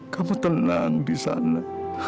kamu tenang disana